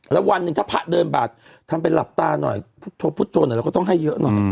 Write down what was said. แล้ววันหนึ่งถ้าพระเดินบาททำเป็นหลับตาหน่อยพุทธโธหน่อยเราก็ต้องให้เยอะหน่อย